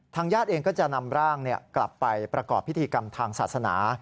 ญาติเองก็จะนำร่างกลับไปประกอบพิธีกรรมทางศาสนา